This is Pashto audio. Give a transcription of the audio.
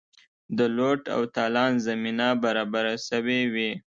د لوټ او تالان زمینه برابره سوې وي.